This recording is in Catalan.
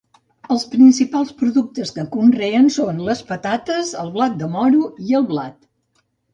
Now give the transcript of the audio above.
Els principals productes que conreen són les patates, el blat de moro i el blat.